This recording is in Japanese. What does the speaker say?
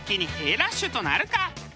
ラッシュとなるか？